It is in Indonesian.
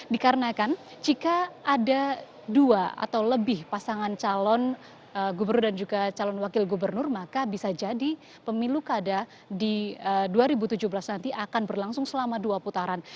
dikarenakan jika ada dua atau lebih pasangan calon gubernur dan juga calon wakil gubernur maka bisa jadi pemilu kada di dua ribu tujuh belas nanti akan berlangsung selama dua putaran